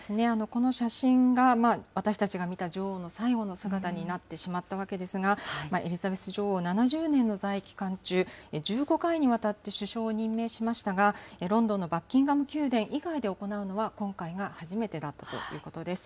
この写真が私たちが見た女王の最後の姿になってしまったわけですが、エリザベス女王、７０年の在位期間中、１５回にわたって首相を任命しましたが、ロンドンのバッキンガム宮殿以外で行うのは、今回が初めてだったということです。